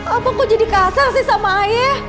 apa gue jadi kasar sih sama ayah